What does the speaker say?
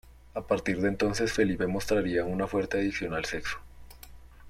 A partir de entonces Felipe mostraría una fuerte adicción al sexo.